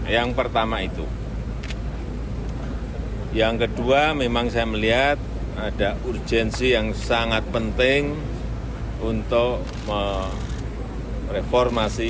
yang pertama itu yang kedua memang saya melihat ada urgensi yang sangat penting untuk mereformasi